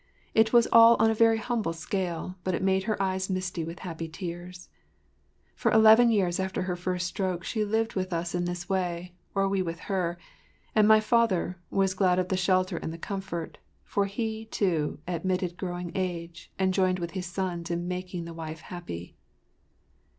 It was all on a very humble scale, but it made her eyes misty with happy tears. For eleven years after her first stroke she lived with us in this way—or we with her. And my father, was glad of the shelter and the comfort, for he, too, admitted growing age and joined with his sons in making the wife happy.